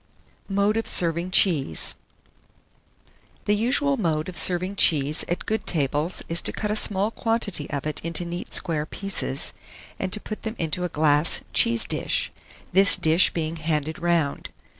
MODE OF SERVING CHEESE. [Illustration: CHEESE GLASS.] 1640. The usual mode of serving cheese at good tables is to cut a small quantity of it into neat square pieces, and to put them into a glass cheese dish, this dish being handed round.